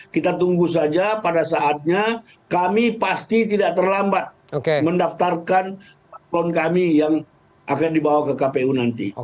kita tunggu saja pada saatnya kami pasti tidak terlambat mendaftarkan paslon kami yang akan dibawa ke kpu nanti